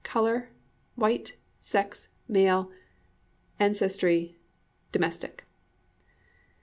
Color, White; Sex, Male; Ancestry, Domestic.